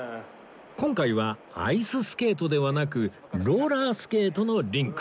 今回はアイススケートではなくローラースケートのリンク